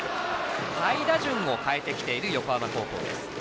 下位打順を変えてきている横浜高校。